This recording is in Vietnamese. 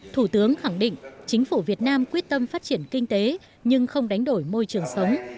thủ tướng khẳng định chính phủ việt nam quyết tâm phát triển kinh tế nhưng không đánh đổi môi trường sống